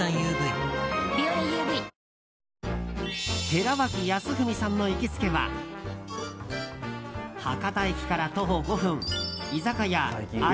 寺脇康文さんの行きつけは博多駅から徒歩５分居酒屋、味